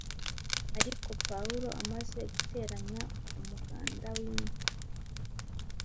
Ariko Pawulo amaze guteranya umuganda w inkwi